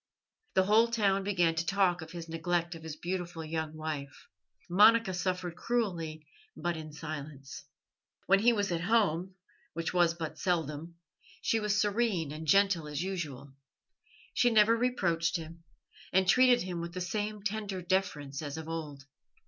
The whole town began to talk of his neglect of his beautiful young wife. Monica suffered cruelly, but in silence. When he was at home, which was but seldom, she was serene and gentle as usual. She never reproached him, and treated him with the same tender deference as of old.